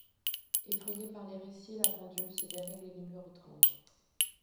Effrayée par les récits la pendule se dérègle et les murs tremblent.